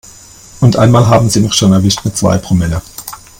Und einmal haben sie mich schon erwischt mit zwei Promille.